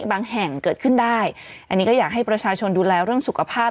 บางแห่งเกิดขึ้นได้อันนี้ก็อยากให้ประชาชนดูแลเรื่องสุขภาพ